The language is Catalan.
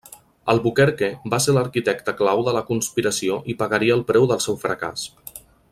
Albuquerque va ser l'arquitecte clau de la conspiració i pagaria el preu del seu fracàs.